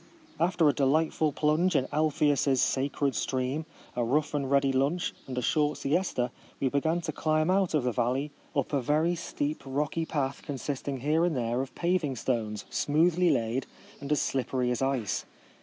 After a delightful plunge in Al pheus's sacred stream, a rough and ready lunch, and a short siesta, we began to climb out of the valley up a very steep rocky path consisting here and there of paving stones, smoothly laid, and as slippery as ice.